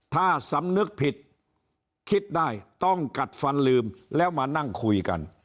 ถ้าสำนึกผิดคิดได้ต้องกัดฟันลืมแล้วมานั่งคุยกัน